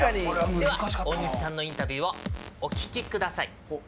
では大西さんのインタビューをお聞きください。